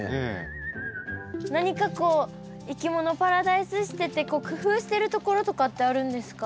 何かこういきものパラダイスしてて工夫してるところとかってあるんですか？